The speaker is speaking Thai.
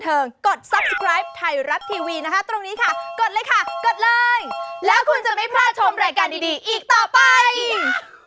แต่ก็พร้อมให้เจ้าหน้าที่ตำรวจช่วยเหลืออย่างเต็มที่แน่นอน